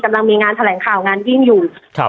กำลังมีงานแถลงข่าวงานยิ่งอยู่